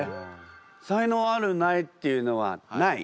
才能あるないっていうのはない？